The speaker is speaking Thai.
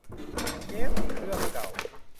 เยส เครื่องเก่า